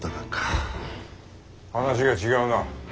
話が違うな。